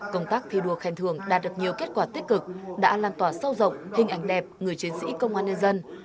công tác thi đua khen thưởng đã được nhiều kết quả tích cực đã lan tỏa sâu rộng hình ảnh đẹp người chiến sĩ công an nhân dân